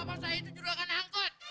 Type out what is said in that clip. masa itu juga akan angkut